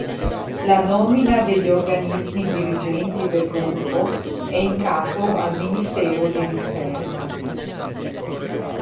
La nomina degli organismi dirigenti del Gruppo è in capo al Ministero dell'interno.